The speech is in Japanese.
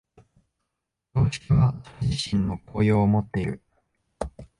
常識はそれ自身の効用をもっている。